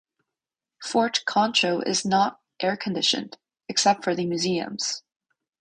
Fort Concho is not air-conditioned, except for the museums.